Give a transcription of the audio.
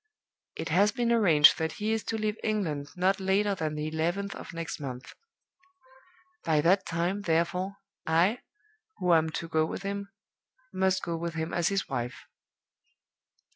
It has been arranged that he is to leave England not later than the eleventh of next month. By that time, therefore, I, who am to go with him, must go with him as his wife.